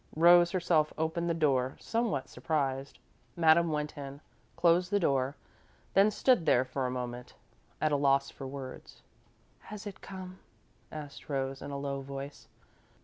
Rose herself opened the door, somewhat surprised. Madame went in, closed the door, then stood there for a moment, at a loss for words. "Has it come?" asked Rose, in a low voice.